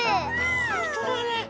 ほんとだね。